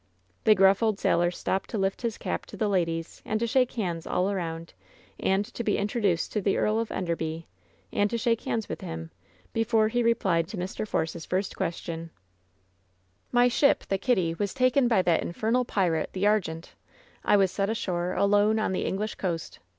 The gruff old sailor stopped to lift his cap to the ladies, and to shake hands all around, and to be introduced to the Earl of Enderby, and to shake hands with him, be fore he replied to Mr. Force's first question: "My ship, the Kitty, was taken by that infernal pi rate, the Argente. I was set ashore, alone, on the Eng lish coast.